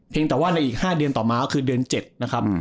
แต่ว่าในอีก๕เดือนต่อมาก็คือเดือน๗นะครับ